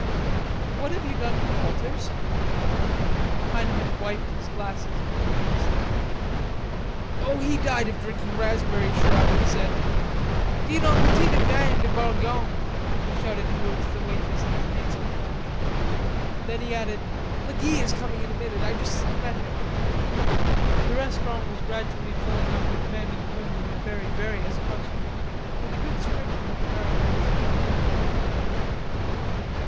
"And what have you done to Walters?" Heineman wiped his glasses meticulously. "Oh, he died of drinking raspberry shrub," he said.... "Dee dong peteet du ving de Bourgogne," he shouted towards the waitress in his nasal French. Then he added: "Le Guy is coming in a minute, I just met him." The restaurant was gradually filling up with men and women of very various costumes, with a good sprinkling of Americans in uniform and out.